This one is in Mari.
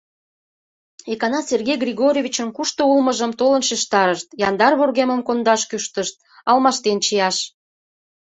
Икана Сергей Григорьевичын кушто улмыжым толын шижтарышт, яндар вургемым кондаш кӱштышт: алмаштен чияш.